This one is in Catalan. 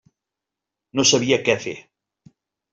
No sabia què fer.